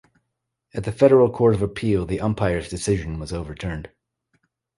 At the Federal Court of Appeal the Umpire's decision was overturned.